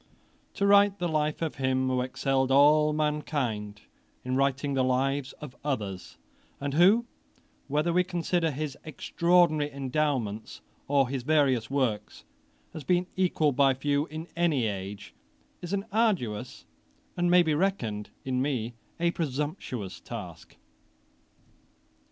To write the Life of him who excelled all mankind in writing the lives of others, and who, whether we consider his extraordinary endowments, or his various works, has been equalled by few in any age, is an arduous, and may be reckoned in me a presumptuous task.